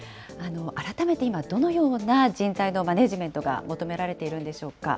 改めて今、どのような人材のマネジメントが求められているんでしょうか。